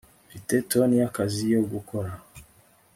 mfite toni y'akazi yo gukora